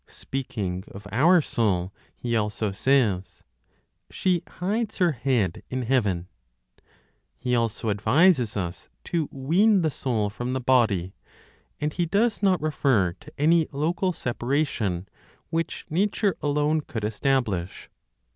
Speaking of our soul he also says, "she hides her head in heaven." He also advises us to wean the soul from the body; and he does not refer to any local separation, which nature alone could establish.